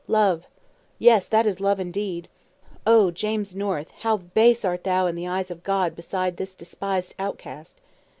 Love! Yes, that is love indeed! Oh, James North, how base art thou in the eyes of God beside this despised outcast!"